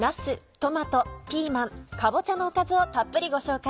トマトピーマンかぼちゃのおかずをたっぷりご紹介。